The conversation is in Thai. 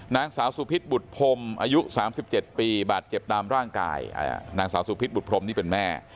นางสาวสุพิษบุตรพรมอายุ๓๗ปีบาดเจ็บตามร่างกายนางสาวสุพิษบุตรพรมนี่เป็นแม่